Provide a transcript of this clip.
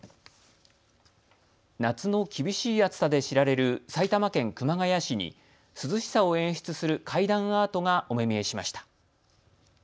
夏の厳しい暑さで知られる埼玉県熊谷市に涼しさを演出する階段アートがお目見えしました。